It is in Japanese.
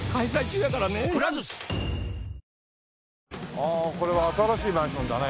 ああこれは新しいマンションだね。